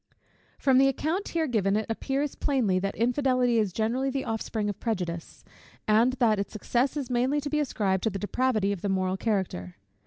From the account here given, it appears plainly that infidelity is generally the offspring of prejudice, and that its success is mainly to be ascribed to the depravity of the moral character.